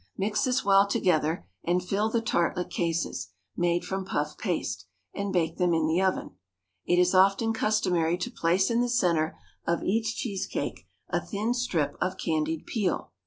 Mix this well together, and fill the tartlet cases, made from puff paste, and bake them in the oven. It is often customary to place in the centre of each cheese cake a thin strip of candied peel.